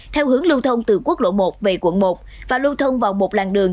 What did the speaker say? theo hướng lưu thông từ quốc lộ một về quận một và lưu thông vào một làng đường